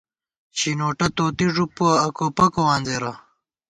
شِنوٹہ توتی ݫُو پُوَہ، اکوپکو وانزېرہ